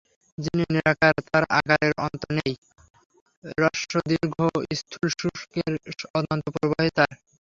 যিনি নিরাকার তাঁর আকারের অন্ত নেই– হ্রস্বদীর্ঘ-স্থূলসূক্ষ্ণের অনন্ত প্রবাহই তাঁর।